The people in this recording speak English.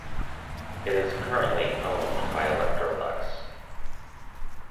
It is currently owned by Electrolux.